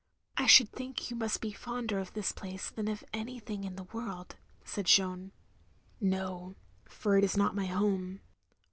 "I should think you must be fonder of this place than of anything in the world, " said Jeanne. "No; for it is not my home.